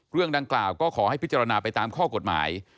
เรื่องดังกล่าวก็ขอให้พิจารณาไปตามข้อกฎหมาย